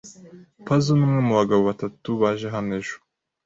Pazzo numwe mubagabo batatu baje hano ejo.